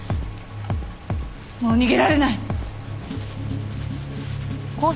もう逃げられない。